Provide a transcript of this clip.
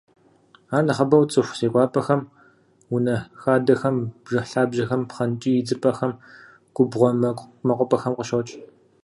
Ар нэхъыбэу цӏыху зекӏуапӏэхэм, унэ хадэхэм, бжыхь лъабжьэхэм, пхъэнкӏий идзыпӏэхэм, губгъуэм, мэкъупӏэхэм къыщокӏ.